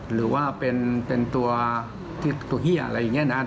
หรือว่าเป็นตัวเหี้ยอะไรอย่างนี้นะ